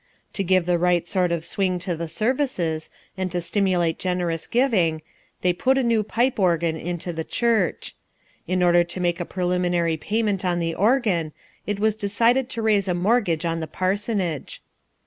To give the right sort of swing to the services and to stimulate generous giving, they put a new pipe organ into the church. In order to make a preliminary payment on the organ, it was decided to raise a mortgage on the parsonage.